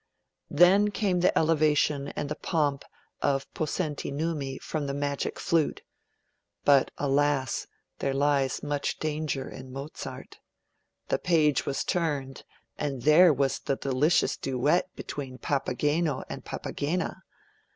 Then came the elevation and the pomp of 'Possenti Numi' from the Magic Flute. But, alas! there lies much danger in Mozart. The page was turned and there was the delicious duet between Papageno and Papagena.